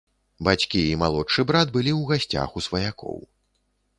Бацькі і малодшы брат былі ў гасцях у сваякоў.